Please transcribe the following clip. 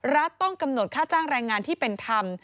รัฐต้องกำหนดค่าจ้างแรงงานที่เป็นธรรม